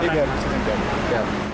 diaduk sini aja